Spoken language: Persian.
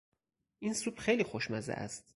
این سوپ خیلی خوشمزه است.